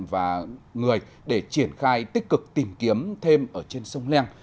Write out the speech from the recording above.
và người để triển khai tích cực tìm kiếm thêm ở trên sông leng